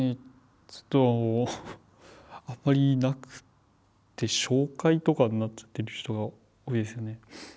ちょっとあんまりなくって紹介とかになっちゃってる人が多いですね。